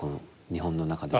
日本の中で。